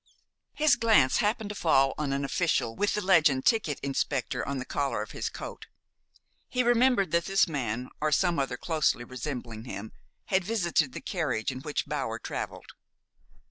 His glance happened to fall on an official with the legend "Ticket Inspector" on the collar of his coat. He remembered that this man, or some other closely resembling him, had visited the carriage in which Bower traveled.